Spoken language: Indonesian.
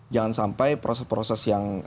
jangan sampai proses proses yang